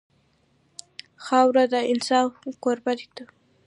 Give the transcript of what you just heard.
خاوره د انصاف کوربه ده.